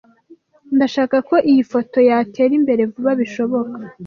Ndashaka ko iyi foto yatera imbere vuba bishoboka.